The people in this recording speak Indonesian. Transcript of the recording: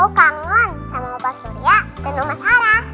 opa juga kangen sama kamu